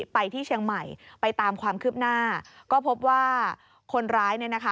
ไปที่เชียงใหม่ไปตามความคืบหน้าก็พบว่าคนร้ายเนี่ยนะคะ